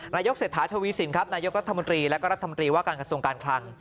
นายกเศรษฐาทวีสินครับนายกรัฐมนตรีและก็รัฐมนตรีว่าการกระทรวงการคลัง